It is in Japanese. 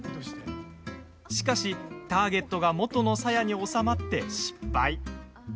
しかし、ターゲットが元のさやに収まって失敗。